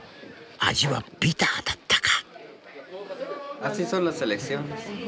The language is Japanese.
味はビターだったか？